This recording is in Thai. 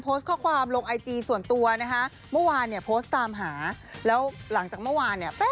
เป็นการส่วนตัวแต่ว่า